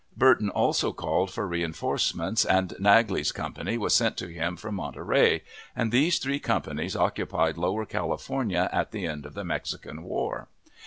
Burton also called for reenforcements, and Naglee'a company was sent to him from Monterey, and these three companies occupied Lower California at the end of the Mexican War.